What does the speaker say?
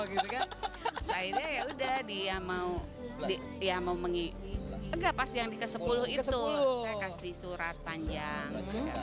gitu kan saya udah dia mau dia mau mengikuti enggak pas yang di ke sepuluh itu kasih surat panjang